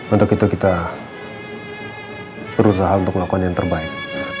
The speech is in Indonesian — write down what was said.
untuk itu kita berusaha untuk melakukan yang terbaik